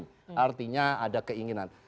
tidak untuk hal hal yang lain